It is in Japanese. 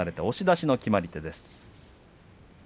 押し出しの決まり手です。